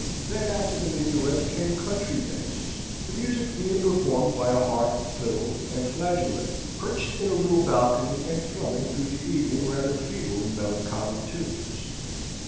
Then, after the minuets, came country dances, the music being performed by a harp, fiddle, and flageolet, perched in a little balcony, and thrumming through the evening rather feeble and melancholy tunes.